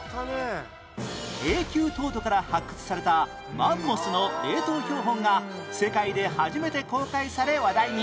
永久凍土から発掘されたマンモスの冷凍標本が世界で初めて公開され話題に